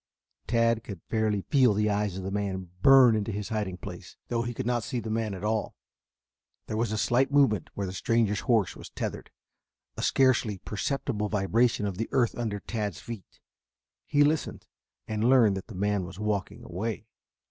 Tad could fairly feel the eyes of the man burn into his hiding place, though he could not see the man at all. There was a slight movement where the stranger's horse was tethered, a scarcely perceptible vibration of the earth under Tad's feet. He listened and learned that the man was walking away.